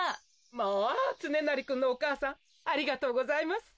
・まあつねなりくんのお母さんありがとうございます。